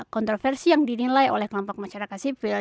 kontroversi yang dinilai oleh kelompok masyarakat sipil